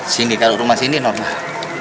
sini kalau rumah sini normal